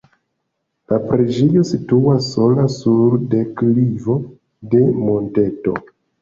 La preĝejo situas sola sur deklivo de monteto.